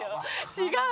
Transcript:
違う。